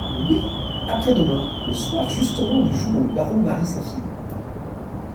Oui, après-demain, le soir justement du jour où le baron marie sa fille.